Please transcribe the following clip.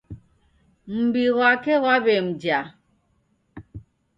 Mumbi ghwake ghwaw'emja